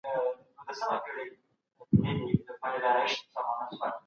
د کتاب لیکوال زرین انځور دی.